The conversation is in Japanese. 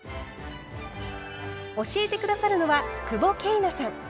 教えて下さるのは久保桂奈さん。